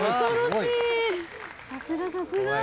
さすがさすが。